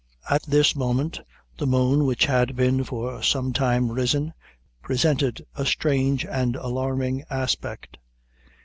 At this moment the moon which had been for some time risen, presented a strange and alarming aspect.